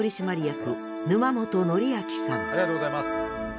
ありがとうございます。